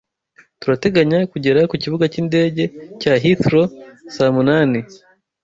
Turateganya kugera ku kibuga cy'indege cya Heathrow saa munani.